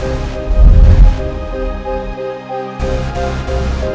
bang erang takut